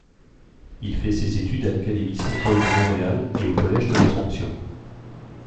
Il fait ses études à l'Académie Saint-Paul de Montréal et au Collège de l'Assomption.